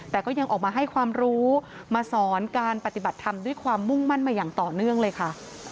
แต่ก็ยังออกมาให้ความรู้มาสอนการปฏิบัติธรรมด้วยความมุ่งมั่นมาอย่างต่อเนื่องเลยค่ะ